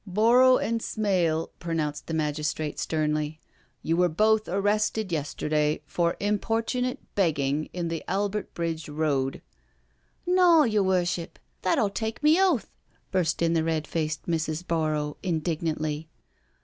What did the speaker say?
92 NO SURRENDER '* Borrow and Smale/' pronounced the magistrate sternly, '* you were both arrested yesterday for impor tunate begging in the Albert Bridge Road. •••" Naw, yer Worship, that 1*11 take me oath/* burst in the red faced Mrs. Borrow indignantly.